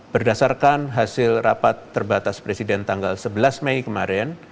berdasarkan hasil rapat terbatas presiden tanggal sebelas mei kemarin